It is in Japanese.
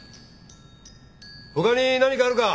他に何かあるか？